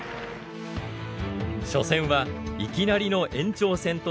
初戦はいきなりの延長戦となります。